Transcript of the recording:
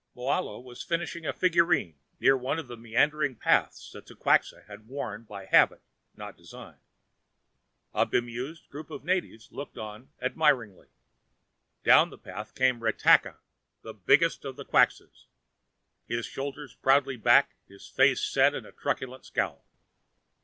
Moahlo was finishing a figurine near one of the meandering paths that the Quxas had worn by habit, not design. A bemused group of natives looked on admiringly. Down the path came Ratakka, the biggest of the Quxas, his shoulders proudly back, his face set in the truculent scowl.